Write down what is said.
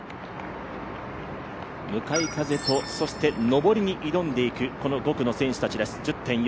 向かい風と上りに挑んでいく５区の選手たちです。